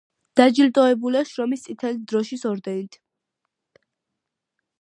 დაჯილდოებულია შრომის წითელი დროშის ორდენით.